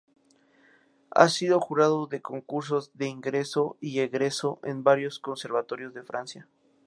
Ha sido jurado de concursos de ingreso y egreso en varios conservatorios de Francia.